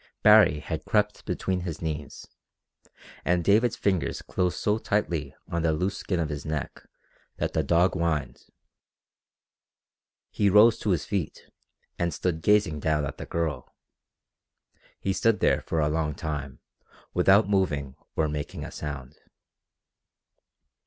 Baree had crept between his knees, and David's fingers closed so tightly in the loose skin of his neck that the dog whined. He rose to his feet and stood gazing down at the girl. He stood there for a long time without moving or making a sound.